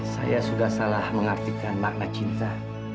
saya sudah salah mengartikan makna cinta